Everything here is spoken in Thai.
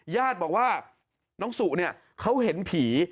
ญาติบอกว่าน้องสุเนี่ยเขาเห็นผี